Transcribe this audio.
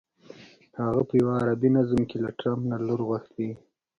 هغه په یوه عربي نظم کې له ټرمپ نه لور غوښتې.